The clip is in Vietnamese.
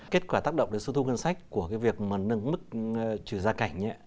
kết quả tác động đến số thu ngân sách của cái việc mà nâng mức trừ gia cảnh